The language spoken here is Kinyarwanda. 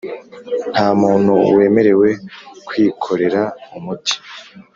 Nta muntu wemerewe kwikorera umuti